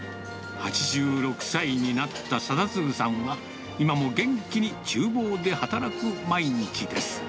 ８６歳になった定嗣さんは今も元気にちゅう房で働く毎日です。